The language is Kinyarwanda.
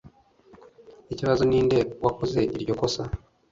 Ikibazo ninde wakoze iryo kosa